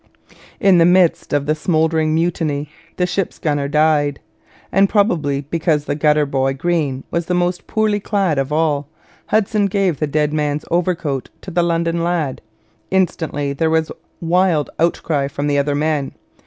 In the midst of the smouldering mutiny the ship's gunner died, and probably because the gutter boy, Greene, was the most poorly clad of all, Hudson gave the dead man's overcoat to the London lad. Instantly there was wild outcry from the other men.